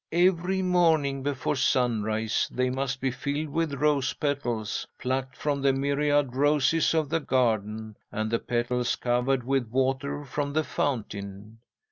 Every morning before sunrise, they must be filled with rose petals, plucked from the myriad roses of the garden, and the petals covered with water from the fountain."